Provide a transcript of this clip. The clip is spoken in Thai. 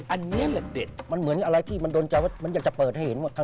อันนี้เหล่าเด็ด